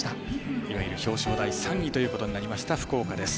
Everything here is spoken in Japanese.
いわゆる表彰台３位となりました、福岡です。